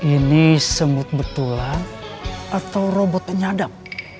ini semut betulan atau robot penyadap